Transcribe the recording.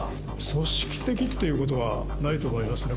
組織的ということはないと思いますね。